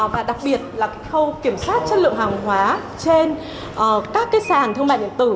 và đặc biệt là khâu kiểm soát chất lượng hàng hóa trên các sàn thương mại điện tử